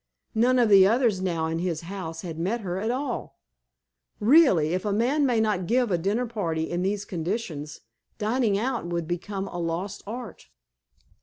None of the others now in his house had met her at all. Really, if a man may not give a dinnerparty in these conditions, dining out would become a lost art."